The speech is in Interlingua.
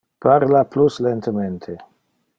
Parla plus lentemente.